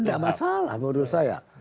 gak masalah menurut saya